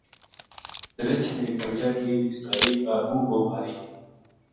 رِچھ نے پنجا کی اسرائیل کا منہ پو ماری